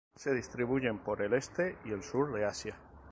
Se distribuyen por el este y el sur de Asia.